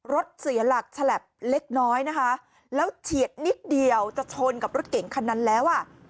รถเสียหลักฉลับเล็กน้อยนะคะแล้วเฉียดนิดเดียวจะชนกับรถเก่งคันนั้นแล้วอ่ะ